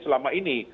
di masa ini